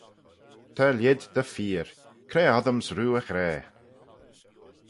Ta lhied dy feer, cre oddyms roo y ghra?